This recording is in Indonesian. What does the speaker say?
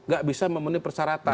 nggak bisa memenuhi persyaratan